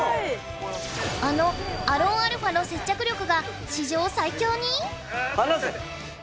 あのアロンアルフアの接着力が史上最強に⁉離せ！